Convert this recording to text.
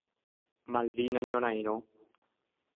Malvina Ñorairõ.